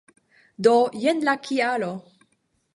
Do jen la kialo!